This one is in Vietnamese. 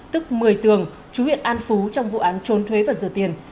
tức một mươi tường chú huyện an phú trong vụ án trốn thuế và dừa tiền